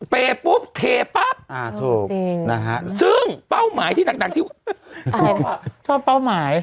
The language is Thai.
เปย์ปุ๊บเทปั๊บถูกจริงนะฮะซึ่งเป้าหมายที่หนักที่ชอบเป้าหมาย